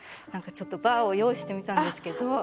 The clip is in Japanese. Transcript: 何かちょっとバーを用意してみたんですけど。